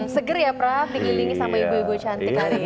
seger ya pra dikilingi sama ibu ibu cantik hari ini